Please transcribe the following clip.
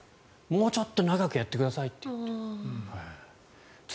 もうちょっと長くやってくださいって。